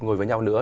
ngồi với nhau nữa